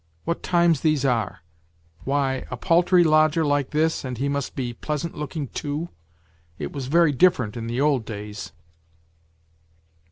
What times these are ! Why a paltry lodger like this, and he must be pleasant looking too ; it was very different in the old days